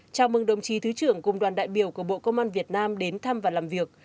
chào mừng đồng chí thứ trưởng cùng đoàn đại biểu của bộ công an việt nam đến thăm và làm việc